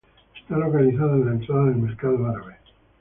Está localizada en la entrada del mercado árabe.